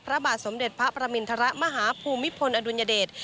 พระบาทสมเด็จพระประมินทรมาฮภูมิพลอดุลยเดช